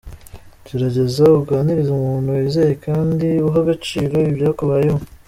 Gerageza uganirize umuntu wizeye kandi uha agaciro ibyakubayeho.